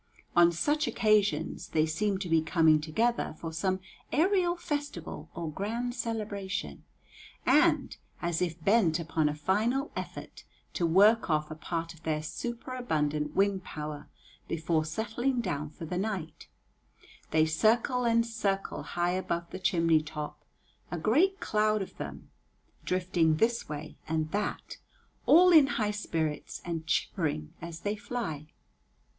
On such occasions they seem to be coming together for some aerial festival or grand celebration; and, as if bent upon a final effort to work off a part of their superabundant wing power before settling down for the night, they circle and circle high above the chimney top, a great cloud of them, drifting this way and that, all in high spirits and chippering as they fly.